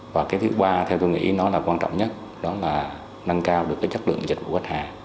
và cái thứ ba theo tôi nghĩ nó là quan trọng nhất đó là nâng cao được cái chất lượng dịch vụ khách hàng